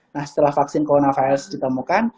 nah setelah vaksin coronavirus ditemukan